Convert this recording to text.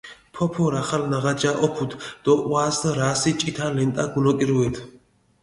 ფოფორი ახალ ნაღაჭა ჸოფუდჷ დო ჸვას რასი ჭითა ლენტა გუნოკირუედჷ.